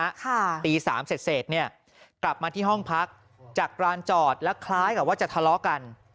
ค่ะตีสามเสร็จเสร็จเนี่ยกลับมาที่ห้องพักจากร้านจอดแล้วคล้ายกับว่าจะทะเลาะกัน